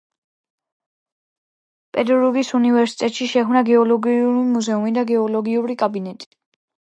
პეტერბურგის უნივერსიტეტში შექმნა გეოლოგიური მუზეუმი და გეოლოგიური კაბინეტი.